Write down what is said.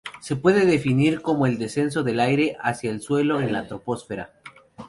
Se puede definir como el descenso del aire hacia el suelo en la troposfera.